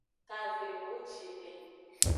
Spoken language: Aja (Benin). Kavehocine.